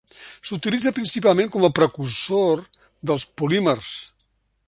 S'utilitza principalment com a precursor dels polímers.